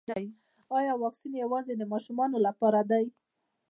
ایا واکسین یوازې د ماشومانو لپاره دی